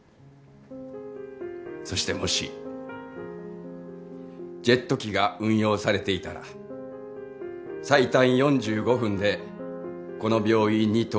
そしてもしジェット機が運用されていたら最短４５分でこの病院に到着したはずです。